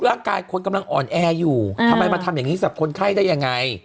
ร่างกายคนกำลังอ่อนแออยู่ทำไมมาทำอย่างนี้กับคนไข้ได้ยังไง